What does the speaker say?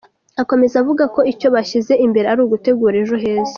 Akomeza avuga ko icyo bashyize imbere ari ugutegura ejo heza.